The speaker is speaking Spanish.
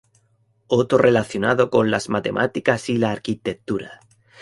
Otro relacionado con las matemáticas y la arquitectura.